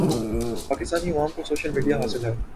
پاکستانی عوام کو social media حاصل ہے